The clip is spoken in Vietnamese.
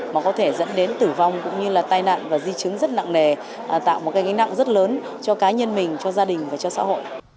mà có thể dẫn đến tử vong cũng như là tai nạn và di chứng rất nặng nề tạo một cái nặng rất lớn cho cá nhân mình cho gia đình và cho xã hội